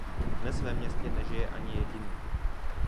Dnes ve městě nežije ani jediný.